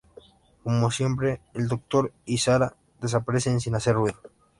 Como siempre, el Doctor y Sarah desaparecen sin hacer ruido.